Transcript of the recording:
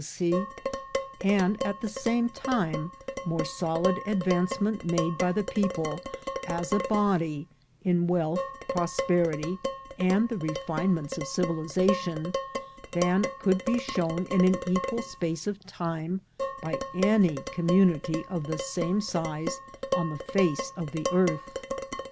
A CITY IN THE MAKING 59 and, at the same time, more solid advancement made by the people, as a body, in wealth, prosperity, and the refinements of civilization, than could be shown in an equal space of time by any community of the same size on the face of the earth.